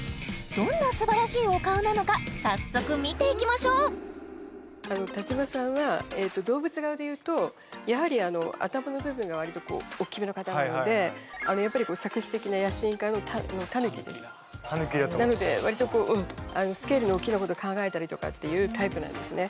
どんな素晴らしいお顔なのか早速見ていきましょう田島さんは動物顔でいうとやはり頭の部分がわりと大きめの方なのでやっぱり策士的な野心家のたぬきですなのでわりとこうスケールの大きなことを考えたりとかっていうタイプなんですね